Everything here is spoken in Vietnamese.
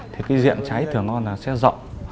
thì diện cháy thường nó sẽ rộng